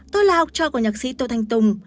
tôi là học trò của nhạc sĩ tô thanh tùng